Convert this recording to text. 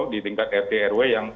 di tingkat rt rw